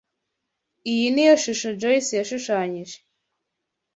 Iyi niyo shusho Joyce yashushanyije.